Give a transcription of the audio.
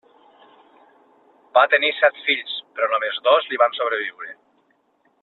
Va tenir set fills, però només dos li van sobreviure.